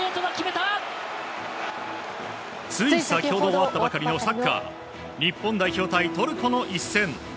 つい先ほど終わったばかりのサッカー、日本代表対トルコの一戦。